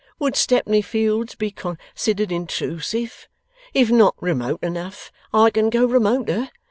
Would Stepney Fields be considered intrusive? If not remote enough, I can go remoter.